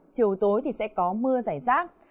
chiều tối thì sẽ có mưa rải rác